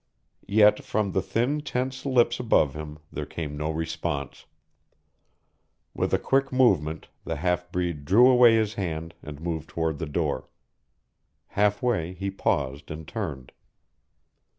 Yet from the thin tense lips above him there came no response. With a quick movement the half breed drew away his hand and moved toward the door. Half way he paused and turned.